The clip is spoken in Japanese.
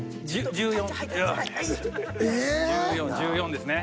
１４１４ですね。